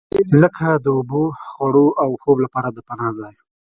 لکه د اوبو، خوړو او خوب لپاره د پناه ځای.